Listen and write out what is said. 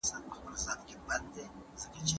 خپله ونډه ادا کړئ.